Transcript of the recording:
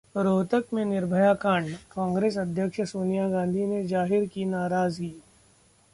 रोहतक में 'निर्भया कांड': कांग्रेस अध्यक्ष सोनिया गांधी ने जाहिर की नाराजगी